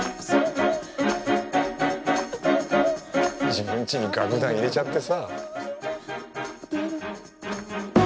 自分ちに楽団入れちゃってさ。